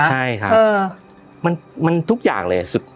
ใช่ค่ะเออมันมันทุกอย่างเลยสุด